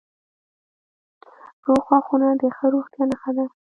روغ غاښونه د ښه روغتیا نښه ده.